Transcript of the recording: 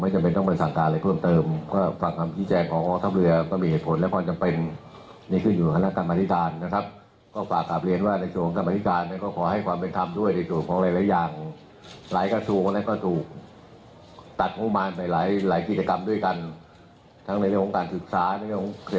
จะต้องหาวิธีการแก้ปรากฎที่จะเกิดขึ้นด้วยนะครับ